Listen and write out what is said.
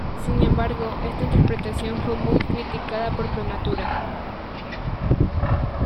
Sin embargo, esta interpretación fue muy criticada por prematura.